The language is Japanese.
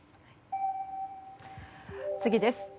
次です。